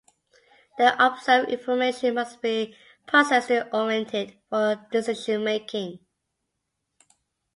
The observed information must be processed to orient it for decision making.